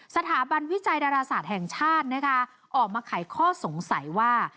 สถาบันวิจัยดาราศาสตร์แห่งชาตินะคะออกมาไขข้อสงสัยว่า